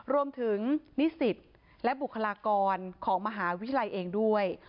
รวมถึงนิสิตและบุคลากรของมหาวิทยาลัยเองด้วย